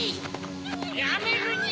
やめるにゃ！